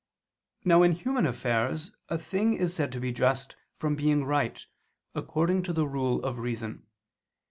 Now in human affairs a thing is said to be just, from being right, according to the rule of reason.